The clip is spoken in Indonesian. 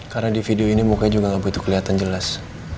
karena di video ini mukanya juga nggak butuh kelihatan jelas